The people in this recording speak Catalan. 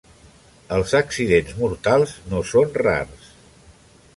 Els accidents mortals no són rars.